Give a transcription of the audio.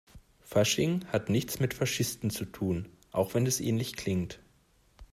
Fasching hat nichts mit Faschisten zu tun, auch wenn es ähnlich klingt.